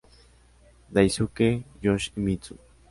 Daisuke Yoshimitsu